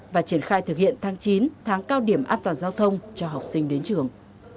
và triển khai thực hiện tháng chín tháng cao điểm an toàn giao thông cho học sinh đến trường